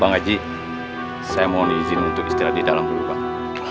bang haji saya mohon izin untuk istirahat di dalam dulu pak